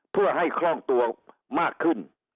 เพื่อให้คล่องตัวมากขึ้น